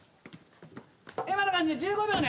今の感じで１５秒ね。